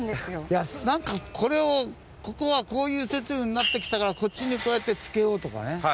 いやなんかこれをここはこういう設備になってきたからこっちにこうやって付けようとかね。